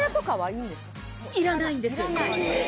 いらないんです。